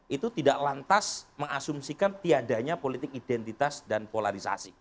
itu tidak lantas mengasumsikan tiadanya politik identitas dan polarisasi